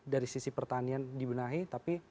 dari sisi pertanian dibenahi tapi